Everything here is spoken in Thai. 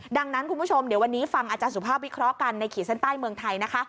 ดังนั้นคุณผู้ชมเดี๋ยววันนี้ฟังอาจารย์สุภาพวิเคราะห์กันในขีดเส้นใต้เมืองไทยนะคะ